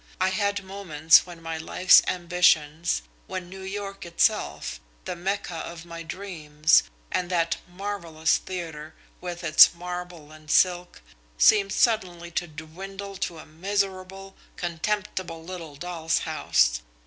I had moments when my life's ambitions, when New York itself, the Mecca of my dreams, and that marvellous theatre, with its marble and silk, seemed suddenly to dwindle to a miserable, contemptible little doll's house.